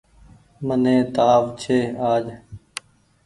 مني تآو ڇي آج۔